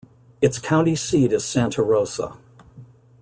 Its county seat is Santa Rosa.